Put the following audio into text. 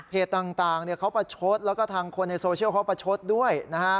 ต่างเขาประชดแล้วก็ทางคนในโซเชียลเขาประชดด้วยนะฮะ